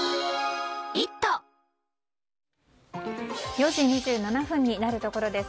４時２７分になるところです。